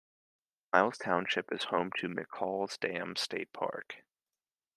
Miles Township is home to McCalls Dam State Park.